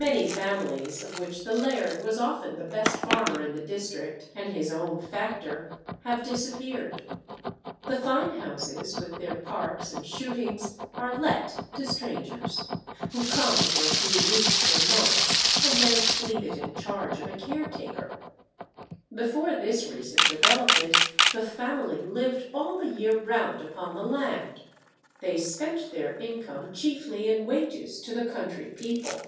Many families, of which the laird was often the best farmer in the district and his own factor, have disappeared. The fine houses, with their parks and shootings, are let to strangers, who come for a few weeks or months, and then leave it in charge of a caretaker. Before this recent development, the "family" lived all the year round upon the land; they spent their income chiefly in wages to the country people.